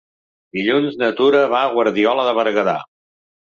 Dilluns na Tura va a Guardiola de Berguedà.